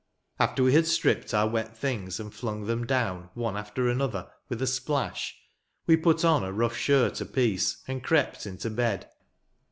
After we had stript our wet things, and flung them down, one after another, with a splash, we put on a rough shirt a piece, and crept into bed.